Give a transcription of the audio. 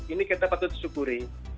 ini kita patut syukuri